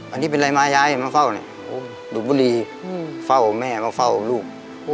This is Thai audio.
อันนี้เป็นไรมาย้ายมาเฝ้าหรือบุรีเฝ้าแม่เฝ้าลูก